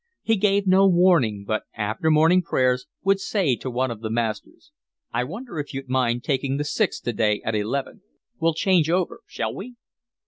He gave no warning, but after morning prayers would say to one of the masters: "I wonder if you'd mind taking the Sixth today at eleven. We'll change over, shall we?"